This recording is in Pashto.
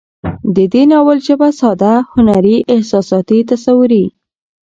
د دې ناول ژبه ساده، هنري، احساساتي، تصويري